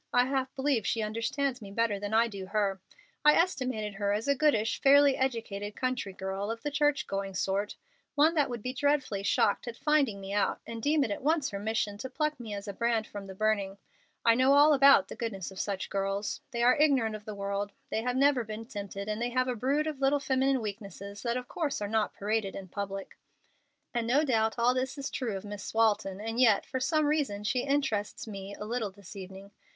I half believe she understands me better than I do her. I estimated her as a goodish, fairly educated country girl, of the church going sort, one that would be dreadfully shocked at finding me out, and deem it at once her mission to pluck me as a brand from the burning. I know all about the goodness of such girls. They are ignorant of the world; they have never been tempted, and they have a brood of little feminine weaknesses that of course are not paraded in public. "And no doubt all this is true of Miss Walton, and yet, for some reason, she interests me a little this evening.